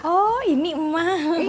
oh ini emak